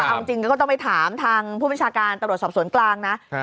เอาจริงก็ต้องไปถามทางผู้บัญชาการตำรวจสอบสวนกลางนะ